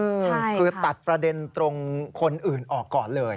คือตัดประเด็นตรงคนอื่นออกก่อนเลย